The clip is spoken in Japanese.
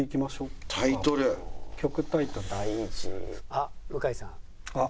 「あっ向井さん」。